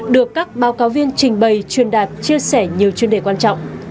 được các báo cáo viên trình bày truyền đạt chia sẻ nhiều chuyên đề quan trọng